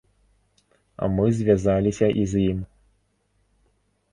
Мы звязаліся і з ім.